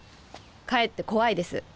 かえって怖いです。